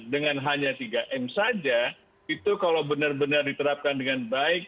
dengan hanya tiga m saja itu kalau benar benar diterapkan dengan baik